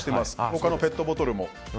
他のペットボトルも。